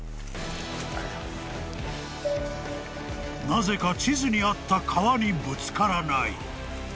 ［なぜか地図にあった川にぶつからない］